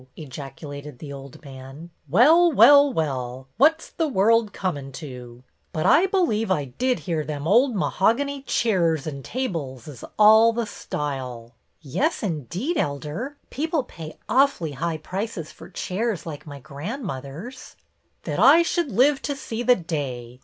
ejaculated the old man. " Well, well, well ! What 's the world cornin' to ! But I believe I did hear that >3 194 BETTY BAIRD tliem old mehogany cheers and tables is all the style." " Yes, indeed, Elder. People pay awfully high prices for chairs like my grandmother's." " That I should live to see the day